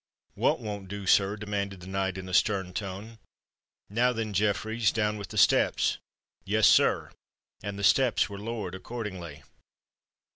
"What won't do, sir?" demanded the knight in a stern tone. "Now, then, Jeffreys—down with the steps." "Yes, sir:"—and the steps were lowered accordingly.